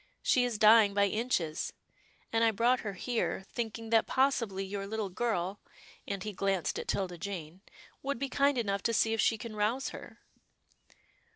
She is dying by COUSIN OONAH RILEY 27S inches, and I brought her here, thinking that pos sibly your Httle girl," and he glanced at 'Tilda Jane, " would be kind enough to see if she can rouse her."